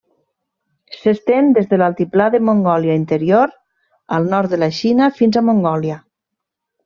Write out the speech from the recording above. S'estén des de l'altiplà de Mongòlia Interior al nord de la Xina fins a Mongòlia.